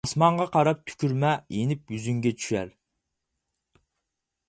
ئاسمانغا قاراپ تۈكۈرمە، يېنىپ يۈزۈڭگە چۈشەر.